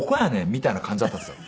みたいな感じだったんですよ。